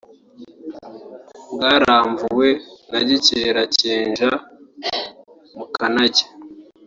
bwaramvuwe na Gikerakenja mu Kanage